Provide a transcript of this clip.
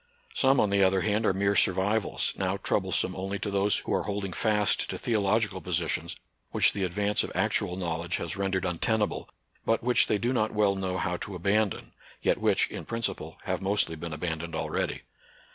Some on the other hand are mere sur vivals, now troublesome only to those who are holding fast to theological positions which the advance of actual knowledge has rendered un tenable, but which they do not well know how to abandon ; yet which, in principle, have mostly been abandoned already.